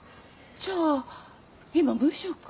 じゃあ今無職。